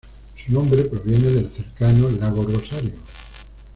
Su nombre proviene del cercano Lago Rosario.